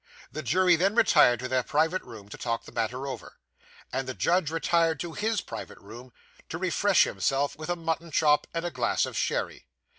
The jury then retired to their private room to talk the matter over, and the judge retired to _his _private room, to refresh himself with a mutton chop and a glass of sherry.